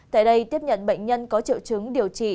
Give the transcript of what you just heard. tại đây tiếp nhận bệnh nhân có triệu chứng điều trị